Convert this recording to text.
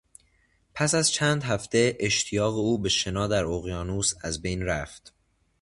پس از چند هفته، اشتیاق او به شنا در اقیانوس ازبین رفت.